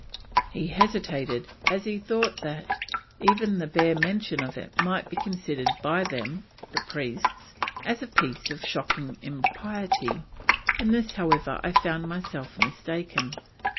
He hesitated, as he thought that: "even the bare mention of it might be considered by them [the priests] as a piece of shocking impiety. In this, however, I found myself mistaken.